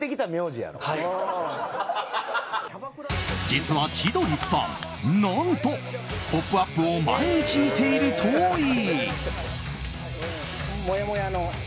実は千鳥さん何と、「ポップＵＰ！」を毎日見ているといい。